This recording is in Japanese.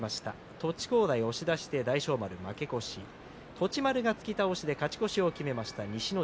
栃幸大、押し出し大翔丸、負け越し栃丸が突き倒しで勝ち越しを決めました。